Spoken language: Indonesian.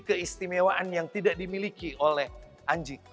keistimewaan yang tidak dimiliki oleh anjing